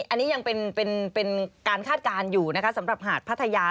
อันนี้ยังเป็นการคาดการณ์อยู่นะคะสำหรับหาดพัทยา